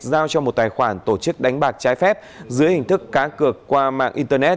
giao cho một tài khoản tổ chức đánh bạc trái phép dưới hình thức cá cược qua mạng internet